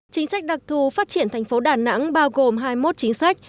chính sách đặc thù phát triển thành phố đà nẵng bao gồm hai mươi một chính sách